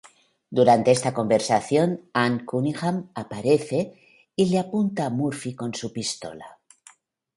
Durante esta conversación, Anne Cunningham aparece y le apunta a Murphy con su pistola.